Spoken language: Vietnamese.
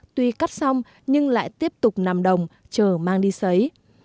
tuy cắt xong nhưng lại tiếp tục nằm đồng chờ mang đi xấy